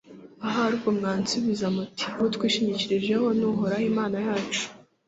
Ahari ubwo mwansubiza muti ’Uwo twishingikirijeho ni Uhoraho Imana yacu’,